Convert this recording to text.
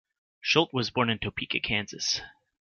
Schuldt was born in Topeka, Kansas.